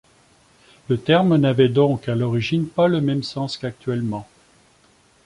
Le terme n'avait donc à l'origine pas le même sens qu'actuellement.